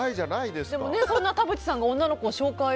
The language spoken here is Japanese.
でも、そんな田渕さんが女の子の紹介